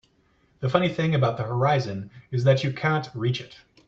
The funny thing about the horizon is that you can't reach it.